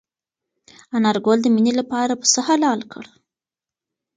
انارګل د مېنې لپاره پسه حلال کړ.